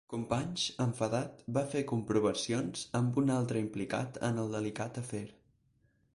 Companys, enfadat, va fer comprovacions amb un altre implicat en el delicat afer.